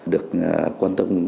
được quan tâm